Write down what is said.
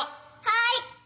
はい！